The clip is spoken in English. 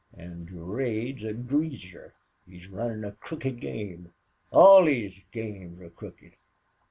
"An' Durade's a greaser. He's runnin' a crooked game. All these games are crooked.